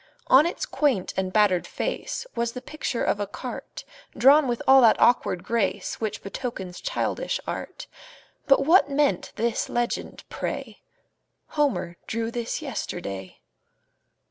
On its quaint and battered face Was the picture of a cart, Drawn with all that awkward grace Which betokens childish art; But what meant this legend, pray: "Homer drew this yesterday?"